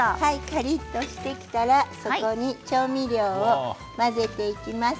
カリっとしてきたらここに調味料を混ぜていきます。